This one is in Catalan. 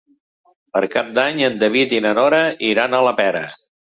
Per Cap d'Any en David i na Nora iran a la Pera.